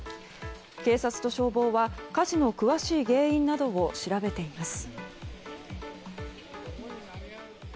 警察と消防は火事の詳しい原因などを調べています。